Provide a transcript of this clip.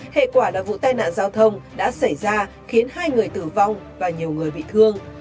hệ quả là vụ tai nạn giao thông đã xảy ra khiến hai người tử vong và nhiều người bị thương